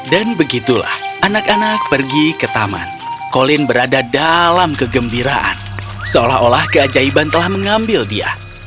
dan begitulah anak anak pergi ke taman colin berada dalam kegembiraan seolah olah keajaiban telah mengambil dia